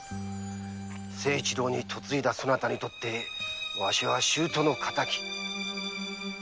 誠一郎に嫁いだそなたにとってわしは舅の敵。